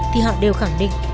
thì họ đều khẳng định